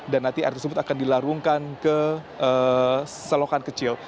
dan nanti air tersebut akan dilarungkan ke selokan kecil